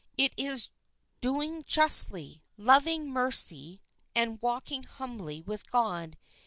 It is doing justly, 8 loving mercy and walking humbly with God.